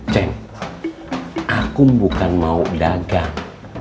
ceng aku bukan mau dagang